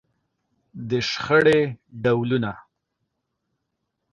د شخړې ډولونه.